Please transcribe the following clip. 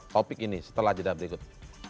topik ini setelah jeda berikut